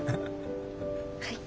はい。